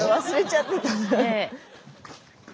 忘れちゃってた。